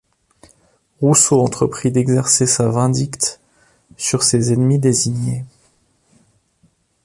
Rousseau entreprit d'exercer sa vindicte sur ses ennemis désignés.